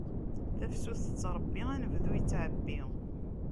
Tafsut tettṛebbi, anebdu ittɛebbi.